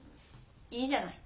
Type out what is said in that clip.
いいじゃない。